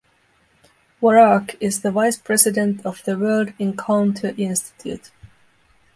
Warraq is the Vice-President of the World Encounter Institute.